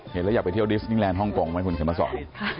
เห็นแล้วอยากไปเที่ยวดิสนิแลนดฮ่องกงไหมคุณเขียนมาสอน